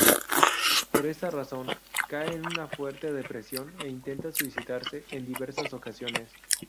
Por esta razón, cae en una fuerte depresión e intenta suicidarse en diversas ocasiones.